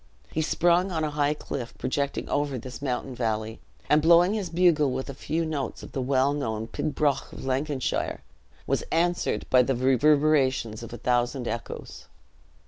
He sprung on a high cliff projecting over this mountain valley, and blowing his bugle with a few notes of the well known pibroch of Lanarkshire, was answered by the reverberations of a thousand echoes.